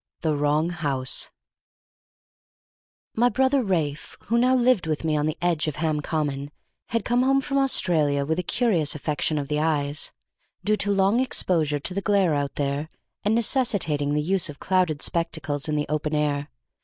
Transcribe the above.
THE WRONG HOUSE My brother Ralph, who now lived with me on the edge of Ham Common, had come home from Australia with a curious affection of the eyes, due to long exposure to the glare out there, and necessitating the use of clouded spectacles in the open air.